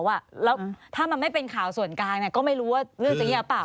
แล้วถ้ามันไม่เป็นข่าวส่วนกลางก็ไม่รู้ว่าเรื่องจะเงียบเปล่า